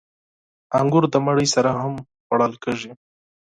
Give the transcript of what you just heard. • انګور د ډوډۍ سره هم خوړل کېږي.